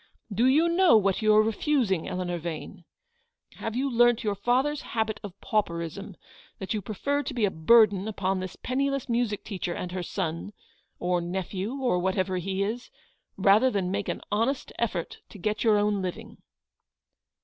Do you know what you are refusing, Eleanor Vane ? Have you learnt your father's habit of pauperism, that you prefer to be a burden upon this penniless music teacher and her son, or nephew, or whatever he is, rather than make an honest effort to get your own living